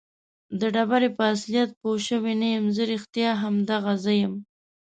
د ډبرې په اصلیت پوه شوی نه یم. زه رښتیا هم دغه زه یم؟